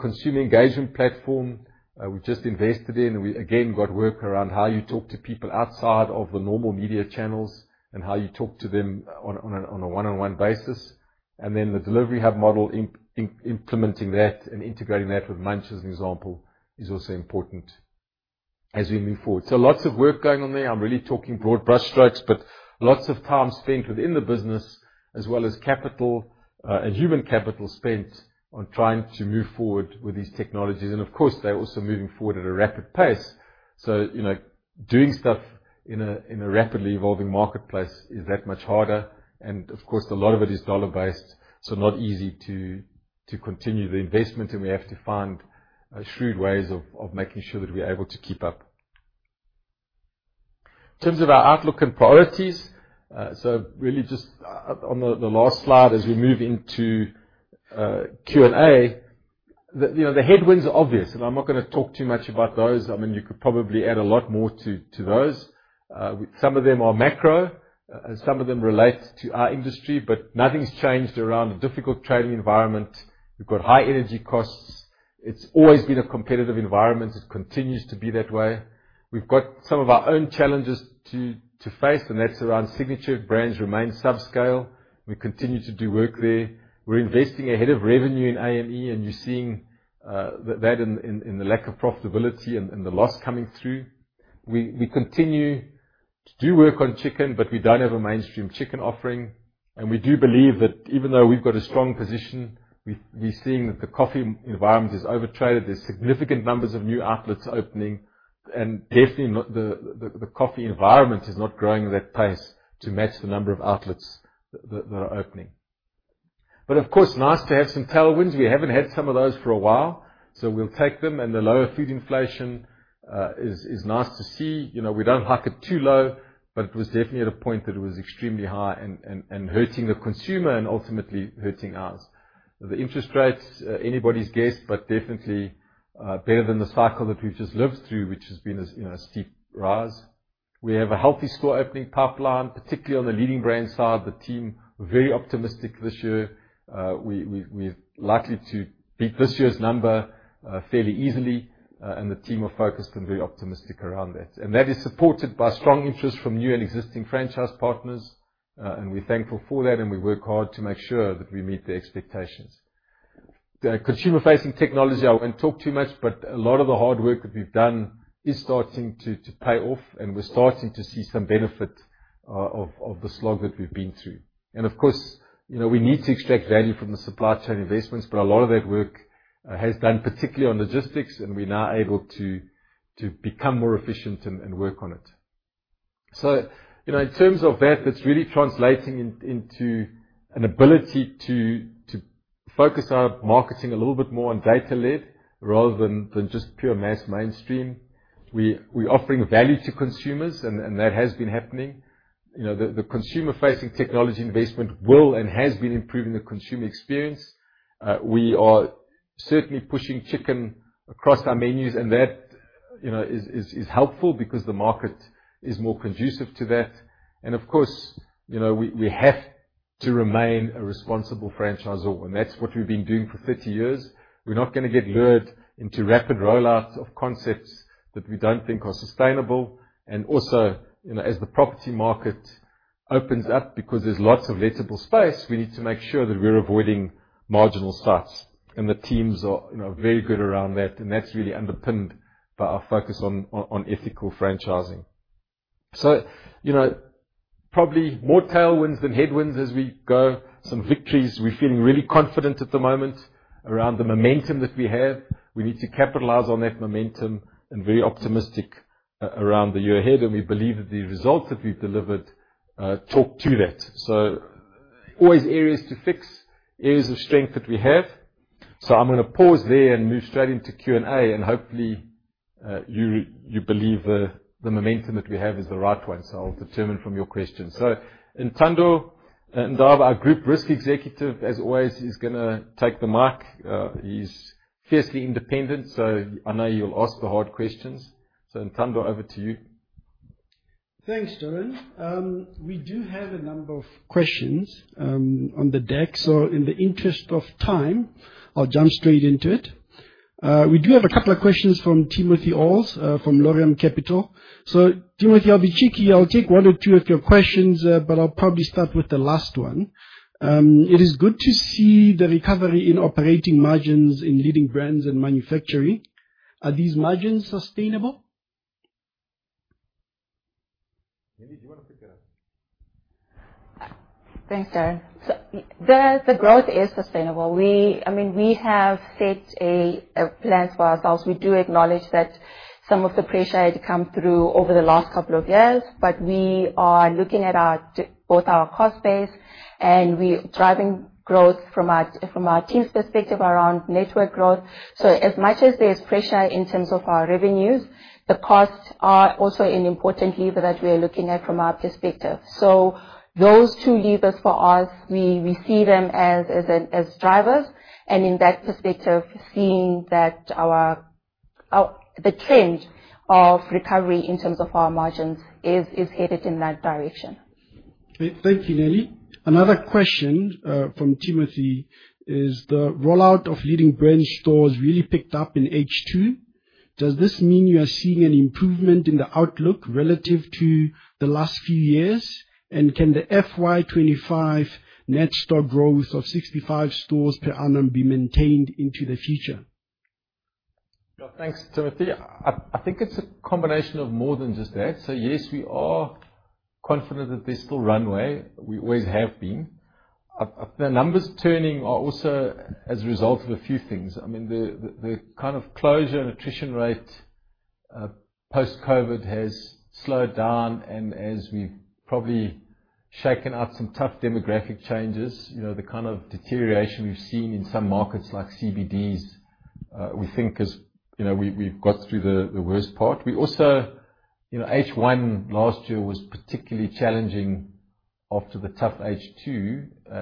Consumer engagement platform, we've just invested in, and we again got work around how you talk to people outside of the normal media channels and how you talk to them on a one-on-one basis. The delivery hub model, implementing that and integrating that with Munch as an example, is also important as we move forward. Lots of work going on there. I'm really talking broad brushstrokes, but lots of time spent within the business, as well as capital and human capital spent on trying to move forward with these technologies, and of course, they're also moving forward at a rapid pace. Doing stuff in a rapidly evolving marketplace is that much harder, and of course, a lot of it is dollar-based, so not easy to continue the investment, and we have to find shrewd ways of making sure that we're able to keep up. In terms of our outlook and priorities, really just on the last slide, as we move into Q&A, the headwinds are obvious, and I'm not going to talk too much about those. I mean, you could probably add a lot more to those. Some of them are macro, and some of them relate to our industry, but nothing's changed around a difficult trading environment. We've got high energy costs. It's always been a competitive environment. It continues to be that way. We've got some of our own challenges to face, and that's around signature brands remaining subscale. We continue to do work there. We're investing ahead of revenue in AME, and you're seeing that in the lack of profitability and the loss coming through. We continue to do work on chicken, but we don't have a mainstream chicken offering, and we do believe that even though we've got a strong position, we're seeing that the coffee environment is overtraded. There's significant numbers of new outlets opening, and definitely the coffee environment is not growing at that pace to match the number of outlets that are opening. Of course, nice to have some tailwinds. We haven't had some of those for a while, so we'll take them, and the lower food inflation is nice to see. We don't like it too low, but it was definitely at a point that it was extremely high and hurting the consumer and ultimately hurting us. The interest rates, anybody's guess, but definitely better than the cycle that we've just lived through, which has been a steep rise. We have a healthy store opening pipeline, particularly on the leading brand side. The team are very optimistic this year. We are likely to beat this year's number fairly easily, and the team are focused and very optimistic around that. That is supported by strong interest from new and existing franchise partners, and we are thankful for that, and we work hard to make sure that we meet the expectations. Consumer-facing technology, I will not talk too much, but a lot of the hard work that we have done is starting to pay off, and we are starting to see some benefit of the slog that we have been through. Of course, we need to extract value from the supply chain investments, but a lot of that work has been done particularly on logistics, and we are now able to become more efficient and work on it. In terms of that, that is really translating into an ability to focus our marketing a little bit more on data-led rather than just pure mass mainstream. We are offering value to consumers, and that has been happening. The consumer-facing technology investment will and has been improving the consumer experience. We are certainly pushing chicken across our menus, and that is helpful because the market is more conducive to that. Of course, we have to remain a responsible franchisor, and that is what we have been doing for 30 years. We are not going to get lured into rapid rollouts of concepts that we do not think are sustainable. Also, as the property market opens up, because there is lots of lettable space, we need to make sure that we are avoiding marginal sites, and the teams are very good around that, and that is really underpinned by our focus on ethical franchising. Probably more tailwinds than headwinds as we go, some victories. We are feeling really confident at the moment around the momentum that we have. We need to capitalize on that momentum and be very optimistic around the year ahead, and we believe that the results that we have delivered talk to that. Always areas to fix, areas of strength that we have. I am going to pause there and move straight into Q&A, and hopefully, you believe the momentum that we have is the right one, so I will determine from your questions. Ntando Ndava, our Group Risk Executive, as always, is going to take the mic. He's fiercely independent, so I know you'll ask the hard questions. Ntando, over to you. Thanks, Darren. We do have a number of questions on the deck, so in the interest of time, I'll jump straight into it. We do have a couple of questions from Timothy Alz from Loriam Capital. Timothy, I'll be cheeky. I'll take one or two of your questions, but I'll probably start with the last one. It is good to see the recovery in operating margins in leading brands and manufacturing. Are these margins sustainable? Yani, do you want to pick it up? Thanks, Darren. The growth is sustainable. I mean, we have set a plan for ourselves. We do acknowledge that some of the pressure had come through over the last couple of years, but we are looking at both our cost base and driving growth from our team's perspective around network growth. As much as there is pressure in terms of our revenues, the costs are also an important lever that we are looking at from our perspective. Those two levers for us, we see them as drivers, and in that perspective, seeing that the trend of recovery in terms of our margins is headed in that direction. Thank you, Neli. Another question from Timothy is, the rollout of leading brand stores really picked up in H2. Does this mean you are seeing an improvement in the outlook relative to the last few years, and can the FY2025 net store growth of 65 stores per annum be maintained into the future? Thanks, Timothy. I think it's a combination of more than just that. Yes, we are confident that there's still runway. We always have been. The numbers turning are also as a result of a few things. I mean, the kind of closure and attrition rate post-COVID has slowed down, and as we've probably shaken up some tough demographic changes, the kind of deterioration we've seen in some markets like CBDs, we think we've got through the worst part. We also, H1 last year was particularly challenging after the tough H2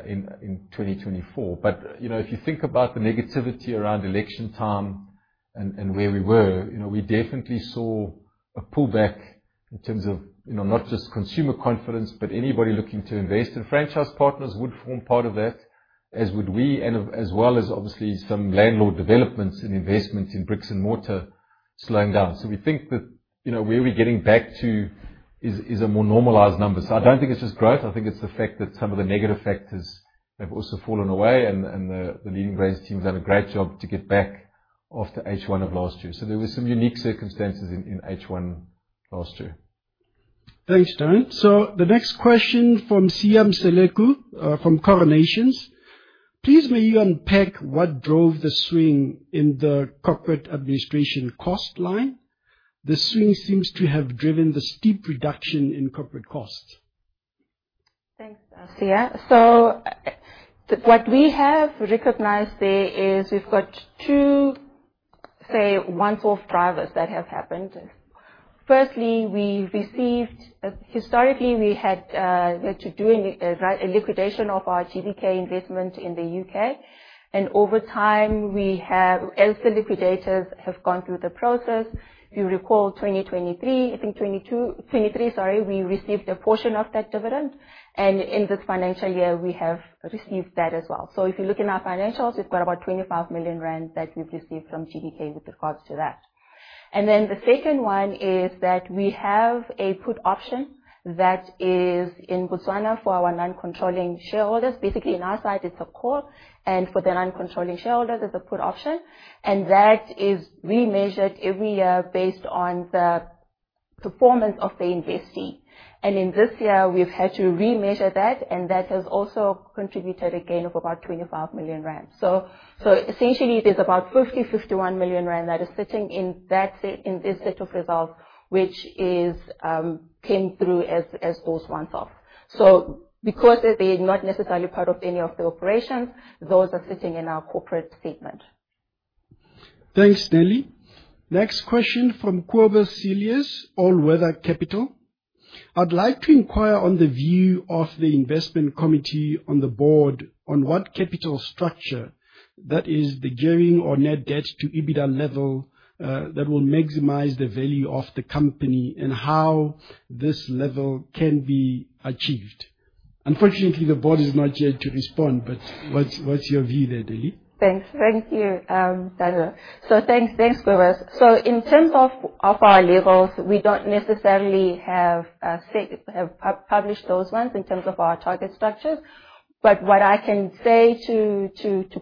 in 2024. If you think about the negativity around election time and where we were, we definitely saw a pullback in terms of not just consumer confidence, but anybody looking to invest in franchise partners would form part of that, as would we, as well as obviously some landlord developments and investments in bricks and mortar slowing down. We think that where we're getting back to is a more normalized number. I don't think it's just growth. I think it's the fact that some of the negative factors have also fallen away, and the leading brands' teams have done a great job to get back after H1 of last year. There were some unique circumstances in H1 last year. Thanks, Darren. The next question from Siyam Seleku from Coronation. Please may you unpack what drove the swing in the corporate administration cost line? The swing seems to have driven the steep reduction in corporate costs. Thanks, Siyam. What we have recognized there is we've got two, say, one-source drivers that have happened. Firstly, we received historically, we had to do a liquidation of our GBK investment in the U.K., and over time, as the liquidators have gone through the process, you recall 2023, I think 2023, sorry, we received a portion of that dividend, and in this financial year, we have received that as well. If you look in our financials, we've got about 25 million rand that we've received from GBK with regards to that. The second one is that we have a put option that is in Botswana for our non-controlling shareholders. Basically, on our side, it's a call, and for the non-controlling shareholders, it's a put option, and that is remeasured every year based on the performance of the investee. In this year, we have had to remeasure that, and that has also contributed a gain of about 25 million rand. Essentially, there is about 50 million-51 million rand that is sitting in this set of results, which came through as those one-offs. Because they are not necessarily part of any of the operations, those are sitting in our corporate statement. Thanks, Neli. Next question from Quebec Silius, All Weather Capital. I'd like to inquire on the view of the investment committee on the board on what capital structure, that is, the gearing or net debt to EBITDA level, that will maximize the value of the company and how this level can be achieved. Unfortunately, the board is not here to respond, but what's your view there, Neli? Thanks. Thank you, Darren. Thanks, Quebec. In terms of our levels, we do not necessarily have published those ones in terms of our target structures, but what I can say to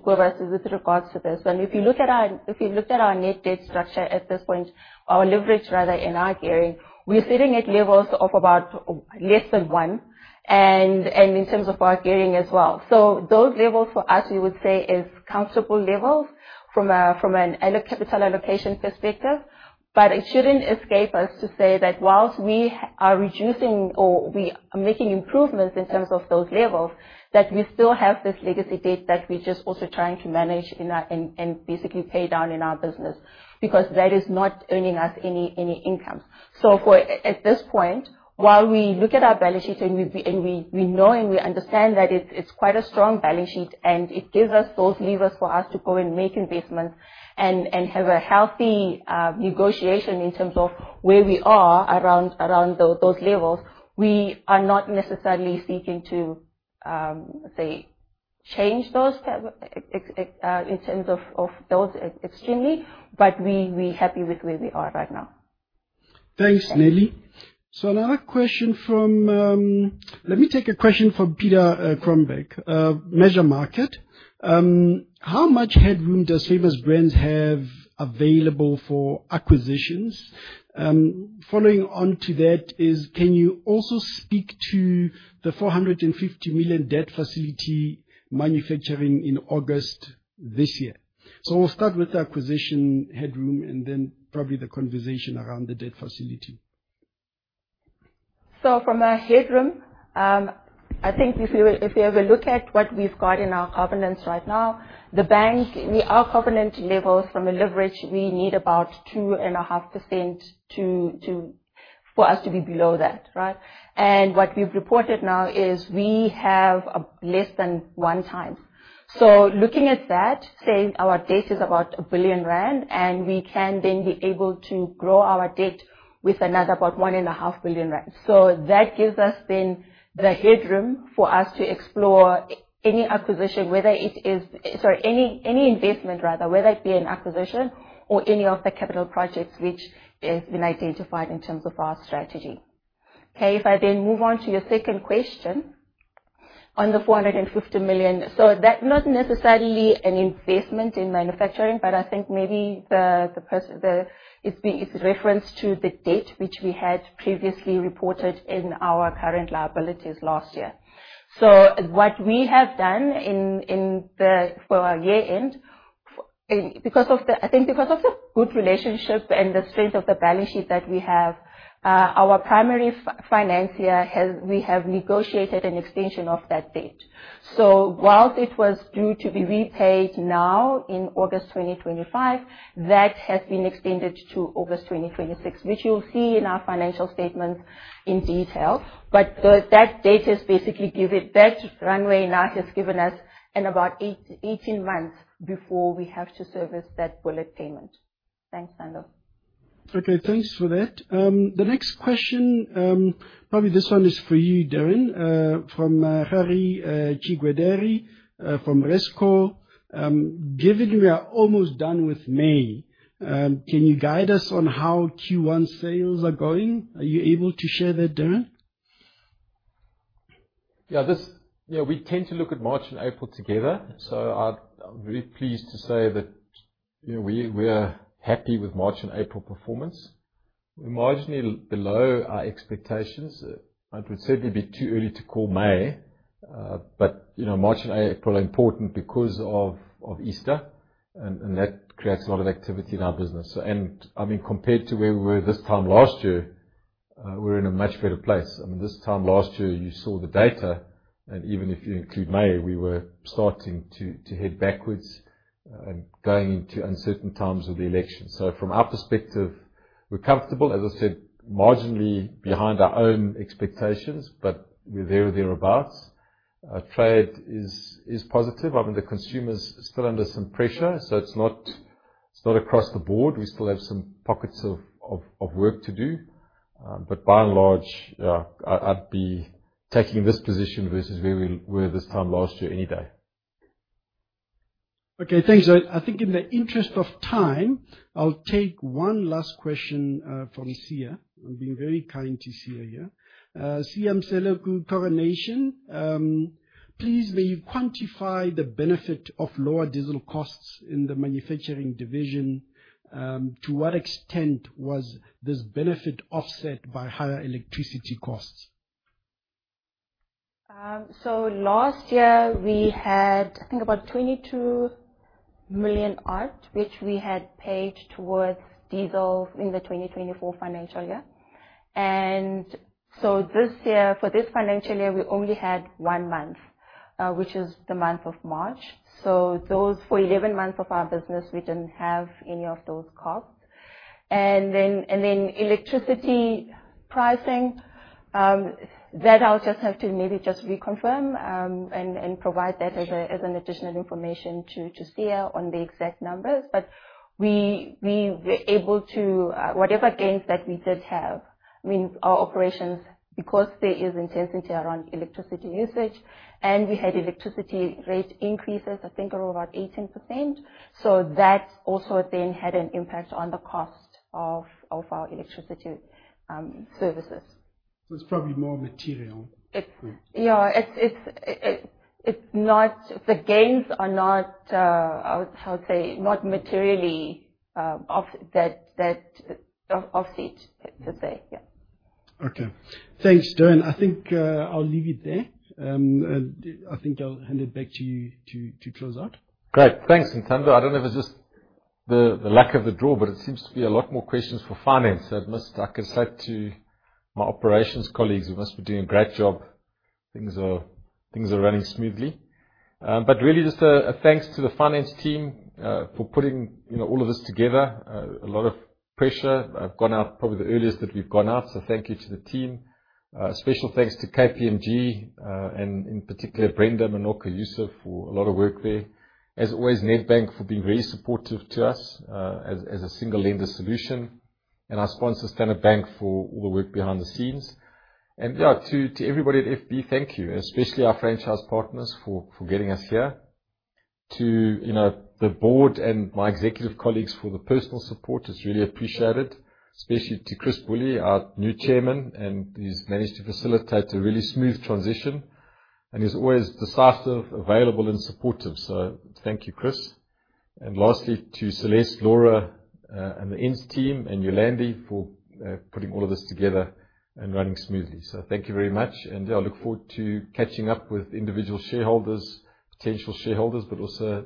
Quebec with regards to this, and if you look at our net debt structure at this point, our leverage, rather, in our gearing, we are sitting at levels of about less than one, and in terms of our gearing as well. Those levels for us, we would say, are comfortable levels from a capital allocation perspective, but it should not escape us to say that whilst we are reducing or we are making improvements in terms of those levels, we still have this legacy debt that we are just also trying to manage and basically pay down in our business because that is not earning us any income. At this point, while we look at our balance sheet and we know and we understand that it is quite a strong balance sheet and it gives us those levers for us to go and make investments and have a healthy negotiation in terms of where we are around those levels, we are not necessarily seeking to, say, change those in terms of those extremely, but we are happy with where we are right now. Thanks, Neli. Another question from, let me take a question from Peter Krombak, MeasureMarket. How much headroom do Famous Brands have available for acquisitions? Following on to that is, can you also speak to the 450 million debt facility maturing in August this year? We will start with the acquisition headroom and then probably the conversation around the debt facility. From the headroom, I think if we have a look at what we've got in our governance right now, the bank, our governance levels from a leverage, we need about 2.5% for us to be below that, right. What we've reported now is we have less than one time. Looking at that, say our debt is about 1 billion rand, and we can then be able to grow our debt with another about 1.5 billion rand. That gives us then the headroom for us to explore any investment, whether it be an acquisition or any of the capital projects which have been identified in terms of our strategy. Okay, if I then move on to your second question on the R450 million, so that's not necessarily an investment in manufacturing, but I think maybe it's reference to the debt which we had previously reported in our current liabilities last year. What we have done for our year-end, I think because of the good relationship and the strength of the balance sheet that we have, our primary financier, we have negotiated an extension of that date. Whilst it was due to be repaid now in August 2025, that has been extended to August 2026, which you'll see in our financial statements in detail, but that date has basically given that runway now has given us about 18 months before we have to service that bullet payment. Thanks, Nando. Okay, thanks for that. The next question, probably this one is for you, Darren, from Hari Chigwederi from Resco. Given we are almost done with May, can you guide us on how Q1 sales are going? Are you able to share that, Darren? Yeah, we tend to look at March and April together, so I'm very pleased to say that we're happy with March and April performance. We're marginally below our expectations. It would certainly be too early to call May, but March and April are important because of Easter, and that creates a lot of activity in our business. I mean, compared to where we were this time last year, we're in a much better place. I mean, this time last year, you saw the data, and even if you include May, we were starting to head backwards and going into uncertain times of the election. From our perspective, we're comfortable, as I said, marginally behind our own expectations, but we're there or thereabouts. Trade is positive. I mean, the consumer's still under some pressure, so it's not across the board. We still have some pockets of work to do, but by and large, I'd be taking this position versus where we were this time last year any day. Okay, thanks. I think in the interest of time, I'll take one last question from Siya. I'm being very kind to Siya here. Siyam Seleku, Coronation, please, may you quantify the benefit of lower diesel costs in the manufacturing division? To what extent was this benefit offset by higher electricity costs? Last year, we had, I think, about 22 million, which we had paid towards diesel in the 2024 financial year. This year, for this financial year, we only had one month, which is the month of March. For 11 months of our business, we did not have any of those costs. Electricity pricing, that I will just have to maybe just reconfirm and provide that as additional information to Siya on the exact numbers, but we were able to, whatever gains that we did have, I mean, our operations, because there is intensity around electricity usage, and we had electricity rate increases, I think, of about 18%. That also then had an impact on the cost of our electricity services. It's probably more material. Yeah, the gains are not, I would say, not materially offset to say. Yeah. Okay. Thanks, Darren. I think I'll leave it there. I think I'll hand it back to you to close out. Great. Thanks, Ntando. I do not know if it is just the luck of the draw, but it seems to be a lot more questions for finance. I can say to my operations colleagues, you must be doing a great job. Things are running smoothly. Really, just a thanks to the finance team for putting all of this together. A lot of pressure. I have gone out probably the earliest that we have gone out, so thank you to the team. Special thanks to KPMG and in particular, Brenda Manocha Youssef for a lot of work there. As always, Nedbank for being very supportive to us as a single lender solution. Our sponsor, Standard Bank, for all the work behind the scenes. Yeah, to everybody at Famous Brands, thank you, especially our franchise partners for getting us here. To the board and my executive colleagues for the personal support, it's really appreciated, especially to Chris Bully, our new Chairman, and he's managed to facilitate a really smooth transition. He's always decisive, available, and supportive. Thank you, Chris. Lastly, to Celeste, Laura, and the Enns team, and Yolandi for putting all of this together and running smoothly. Thank you very much, and I look forward to catching up with individual shareholders, potential shareholders, but also.